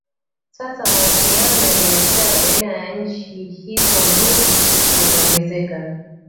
Sasa mahusiano ya biashara baina ya nchi hizo mbili yameongezeka